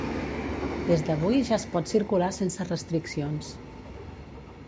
Des d'avui ja es pot circular sense restriccions.